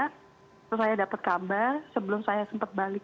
terus saya dapat kabar sebelum saya sempat balik